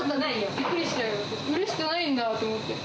びっくりしちゃうよ、うれしくないんだと思って。